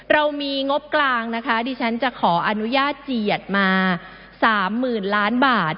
เรามีงบกลางนะคะดิฉันจะขออนุญาตเจียดมา๓๐๐๐ล้านบาท